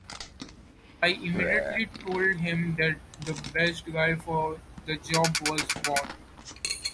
I immediately told him that the best guy for the job was Bon.